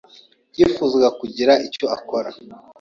yifuzaga kugira icyo akora.